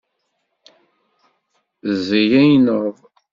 Tezyaneḍ.